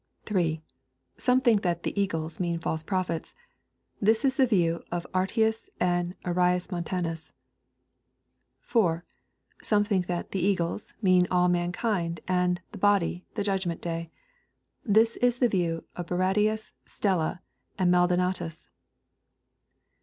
6. Some think that " the eagles" mean false prophets. Tliis is the view of Aretius and Arias Montanus. 4. Some think that " the eagles" mean all mankind, and " the body," the judgment day. This is the view of Barradius, Stella and Maldonatus.